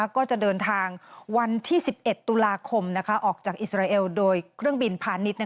ก็จะเดินทางวันที่๑๑ตุลาคมออกจากอิสราเอลโดยเครื่องบินพาณิชย์